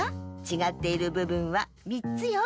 ちがっているぶぶんは３つよ。